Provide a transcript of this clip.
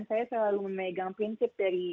saya selalu memegang prinsip dari